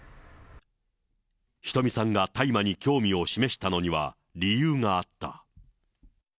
ひとみさんが大麻に興味を示したのには、理由があった。